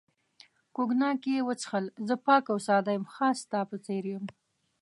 کوګناک یې وڅښل، زه پاک او ساده یم، خاص ستا په څېر یم.